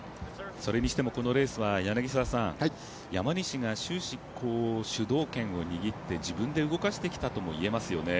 それにしてもこのレースは山西が終始、主導権を握って自分で動かしてきたともいえますよね。